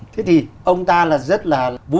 thế thì ông ta là rất là vui